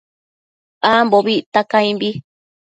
Ambobi icta caimbi